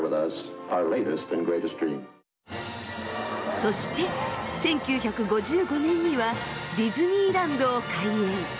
そして１９５５年にはディズニーランドを開園。